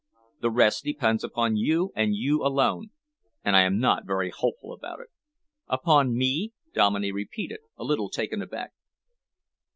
The rest depends upon you, and you alone, and I am not very hopeful about it." "Upon me?" Dominey repeated, a little taken aback.